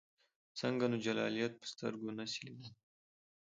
ځکه نو جلالیت په سترګو نسې لیدلای.